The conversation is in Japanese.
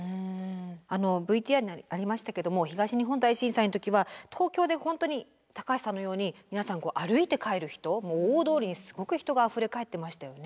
あのＶＴＲにありましたけれども東日本大震災の時は東京で本当に高橋さんのように皆さん歩いて帰る人大通りにすごく人があふれかえってましたよね。